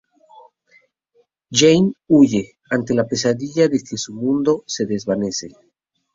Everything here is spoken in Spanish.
Jane huye, ante la pesadilla de que su mundo se desvanece.